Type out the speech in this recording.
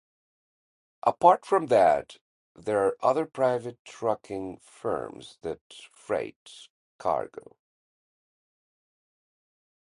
Apart from that, there are other private trucking firms that freight cargo.